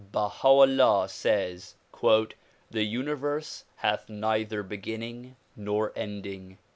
Bah A 'Ullah says "the universe hath neither beginning nor ending."